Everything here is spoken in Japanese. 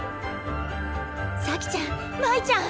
咲ちゃん舞ちゃん！